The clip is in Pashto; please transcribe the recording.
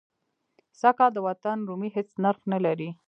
سږ کال د وطن رومي هېڅ نرخ نه لري.